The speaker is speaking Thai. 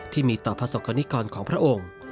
ที่มีต่อพระศักดิ์กรของพระองค์